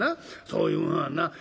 そういうものはな